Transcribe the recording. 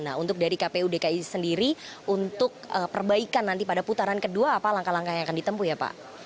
nah untuk dari kpu dki sendiri untuk perbaikan nanti pada putaran kedua apa langkah langkah yang akan ditempuh ya pak